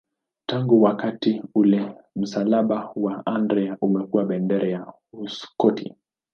Tangu wakati ule msalaba wa Andrea umekuwa bendera ya Uskoti.